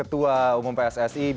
a sampai z